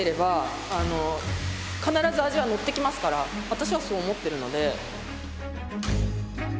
私はそう思ってるので。